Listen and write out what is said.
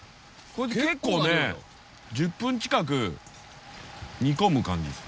結構ね１０分近く煮込む感じです。